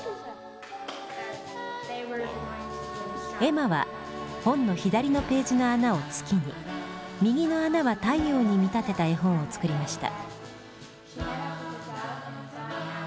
エマは本の左のページの穴を月に右の穴は太陽に見立てた絵本を作りました。